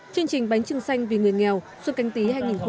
chương trình bánh trưng xanh vì người nghèo xuân canh tí hai nghìn hai mươi